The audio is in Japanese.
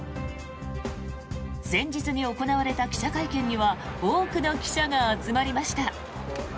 前日に行われた記者会見には多くの記者が集まりました。